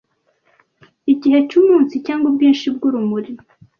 Igihe cyumunsi cyangwa ubwinshi bwurumuri